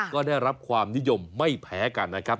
ก็ได้รับความนิยมไม่แพ้กันนะครับ